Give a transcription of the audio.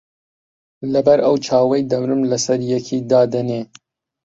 لەبەر ئەو چاوەی دەمرم لەسەر یەکی دادەنێ